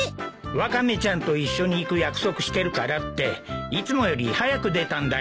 ワカメちゃんと一緒に行く約束してるからっていつもより早く出たんだよ。